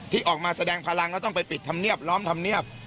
ที่ออกมาแสดงพลังแล้วต้องไปปิดธรรมเนียบล้อมธรรมเนียบ